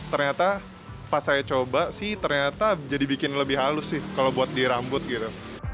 ternyata pas saya coba sih ternyata jadi bikin lebih halus sih kalau buat di rambut gitu